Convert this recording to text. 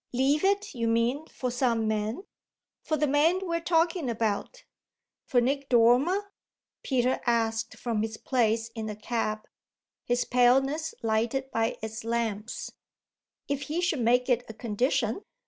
"Leave it, you mean, for some man?" "For the man we're talking about." "For Nick Dormer?" Peter asked from his place in the cab, his paleness lighted by its lamps. "If he should make it a condition.